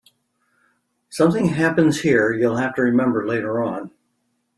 Something happens here you'll have to remember later on.